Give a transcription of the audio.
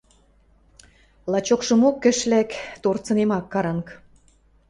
Лачокшымок ӹш лӓк, торцынем ак каранг.